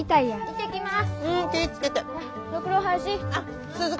行ってきます！